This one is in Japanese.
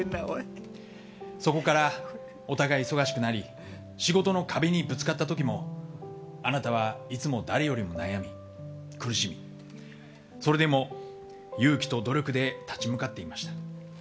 そこからお互い忙しくなり仕事の壁にぶつかった時もあなたは、いつも誰よりも悩み苦しみそれでも勇気と努力で立ち向かっていました。